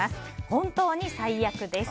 本当に最悪です。